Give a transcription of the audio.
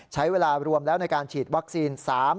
ใช้เวลารวมแล้วในการฉีดวัคซีน